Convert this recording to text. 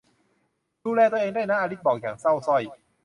ดูแลตัวเองด้วยนะ อลิซบอกอย่างเศร้าสร้อย